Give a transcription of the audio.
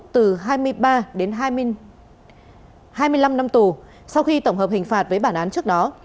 từ hai mươi ba đến hai mươi năm năm tù sau khi tổng hợp hình phạt với bản án trước đó